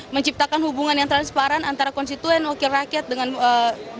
menciptakan hubungan yang transparan antara konstituen wakil rakyat dengan masyarakat